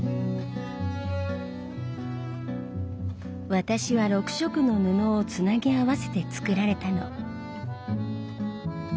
私は６色の布をつなぎ合わせて作られたの。